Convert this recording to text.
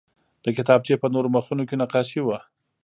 د کتابچې په نورو مخونو کې نقاشي وه